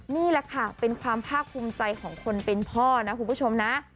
นี่แหละค่ะเป็นความภาคภูมิใจของคนเป็นพ่อนะคุณผู้ชมนะ